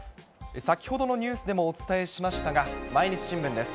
先ほどのニュースでもお伝えしましたが、毎日新聞です。